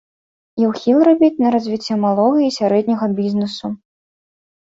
І ўхіл рабіць на развіццё малога і сярэдняга бізнесу.